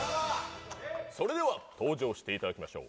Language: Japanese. それでは登場していただきましょう。